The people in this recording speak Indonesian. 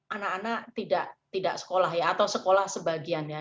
anak anak tidak tidak sekolah ya atau sekolah sebagiannya